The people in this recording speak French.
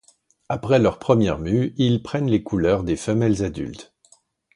Après leur première mue ils prennent les couleurs des femelles adultes.